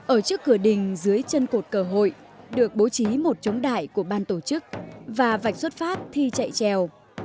ở trước cửa đình dưới chân cột cờ hội được bố trí một chống đại của ban tổ chức và vạch xuất phát thi chạy trèo